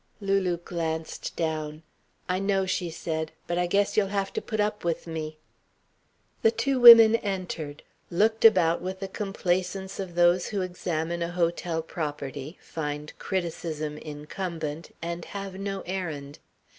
Lulu glanced down. "I know," she said, "but I guess you'll have to put up with me." The two women entered, looked about with the complaisance of those who examine a hotel property, find criticism incumbent, and have no errand.